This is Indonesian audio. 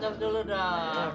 dan sampai setengah hari ini